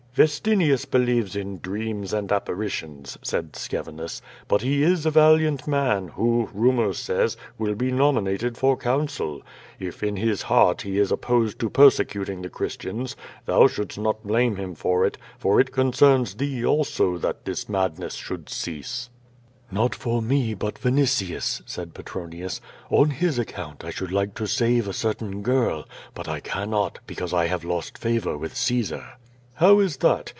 ^^estinius believes in dreams and apparitions," said Sce vinus, "but he is a valiant man, who, rumor says, will be nominated for Council. If in his heart he is opposed to persecuting the Christians, thou shouldst not blame him for it, for it concerns thee also that this madness should cease." "Not me, but Vinitius," said Petronious. "On his account, I should like to save a certain girl, but I cannot, because T have lost favor with Caesar." "How is that?